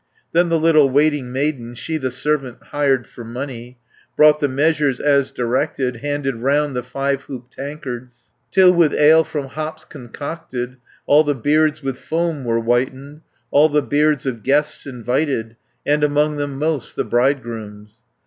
Then the little waiting maiden, She, the servant hired for money, Brought the measures as directed, Handed round the five hooped tankards, Till, with ale from hops concocted, All the beards with foam were whitened; 250 All the beards of guests invited; And among them most the bridegroom's.